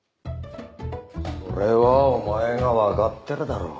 それはお前がわかってるだろ。